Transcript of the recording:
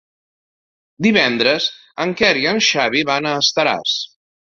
Divendres en Quer i en Xavi van a Estaràs.